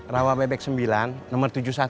rawabebek sembilan nomor tujuh puluh satu